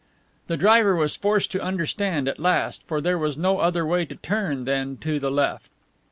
The driver was forced to understand at last, for there was no other way to turn than to the left.